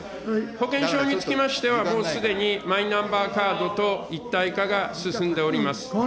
保険証につきましては、もうすでにマイナンバーカードと一体化が進んでおります。